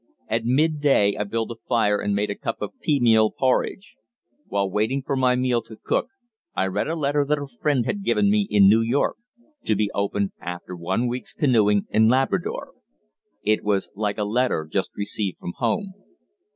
At midday I built a fire and made a cup of pea meal porridge. While waiting for my meal to cook, I read a letter that a friend had given me in New York, "to be opened after one week's canoeing in Labrador." It was like a letter just received from home.